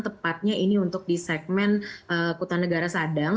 tepatnya ini untuk di segmen kota negara sadang